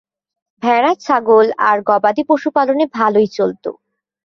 ভেড়া, ছাগল আর গবাদি পশুপালন ভালোই চলত।